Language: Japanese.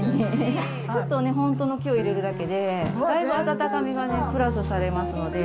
ちょっとね、本当の木を入れるだけで、だいぶ温かみがプラスされますので。